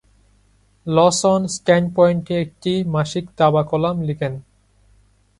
লসন স্ট্যান্ডপয়েন্টে একটি মাসিক দাবা কলাম লেখেন।